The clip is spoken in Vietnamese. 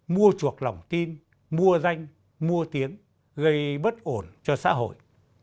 mua chuộc lòng tin mua danh mua tiếng gây bất ổn cho xã hội